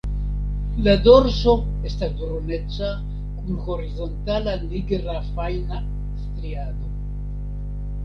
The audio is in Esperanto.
La dorso estas bruneca kun horizontala nigra fajna striado.